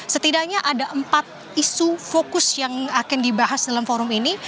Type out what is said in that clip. setidaknya ada empat isu fokus yang akan dibahas dalam forum ini